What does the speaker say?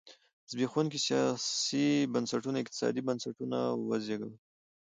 زبېښونکي سیاسي بنسټونو اقتصادي بنسټونه وزېږول.